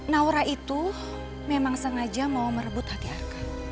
naura itu memang sengaja mau merebut hati arka